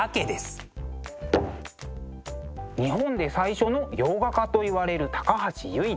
日本で最初の洋画家といわれる高橋由一。